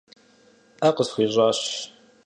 Ӏэ къысхуищӏащ.